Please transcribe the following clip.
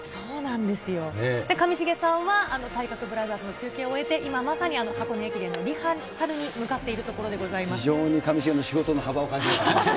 で、上重さんは、体格ブラザーズの中継を終えて、今まさにあの箱根駅伝のリハーサルに向かっているところでござい非常に上重の仕事の幅を感じますね。